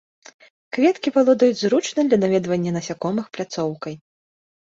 Кветкі валодаюць зручнай для наведвання насякомых пляцоўкай.